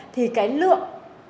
thì cái lượng